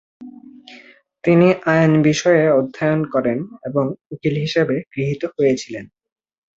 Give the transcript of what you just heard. তিনি আইন বিষয়ে অধ্যয়ন করেন এবং উকিল হিসেবে গৃহীত হয়েছিলেন।